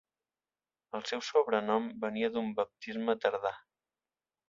El seu sobrenom venia d'un baptisme tardà.